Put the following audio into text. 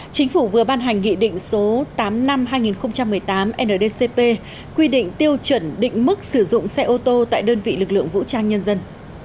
chính phủ vừa ban hành nghị định số tám năm hai nghìn một mươi tám ndcp quy định tiêu chuẩn định mức sử dụng xe ô tô tại đơn vị lực lượng vũ trang nhân dân